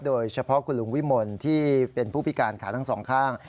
โดยเฉพาะคุณลุงวิมลที่เป็นผู้พิการขาทั้งสองข้าง